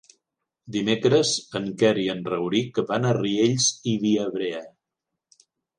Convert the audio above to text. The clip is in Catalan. Dimecres en Quer i en Rauric van a Riells i Viabrea.